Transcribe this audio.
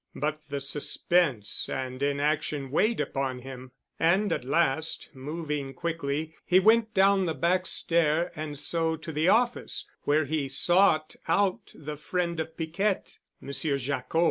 But the suspense and inaction weighed upon him, and at last, moving quickly, he went down the back stair and so to the office, where he sought out the friend of Piquette, Monsieur Jacquot.